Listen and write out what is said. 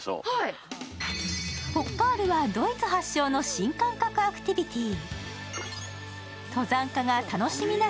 ポッカールはドイツ発祥の新感覚アクティビティー。